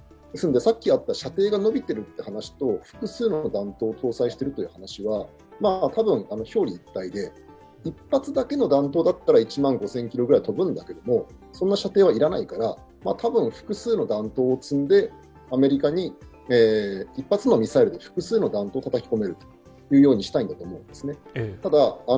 ですので、さっきあった射程が伸びているという話と複数の弾頭を搭載しているという話は、多分表裏一体で一発だけの弾頭だったら１万５０００ｋｍぐらい飛ぶんだけどそんな射程は要らないから、多分複数の弾頭を積んでアメリカに一発のミサイルで複数の弾頭をたたき込めるようにしたいと思うんですね。